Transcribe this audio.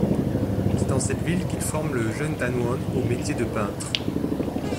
C’est dans cette ville qu’il forme le jeune Danwon au métier de peintre.